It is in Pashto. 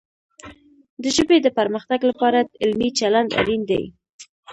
د ژبې د پرمختګ لپاره علمي چلند اړین دی.